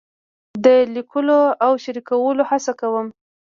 د لیکلو او شریکولو هڅه کوم.